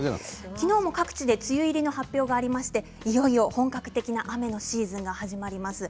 きのうも各地で梅雨入りの発表がありまして、いよいよ本格的な雨のシーズンが始まります。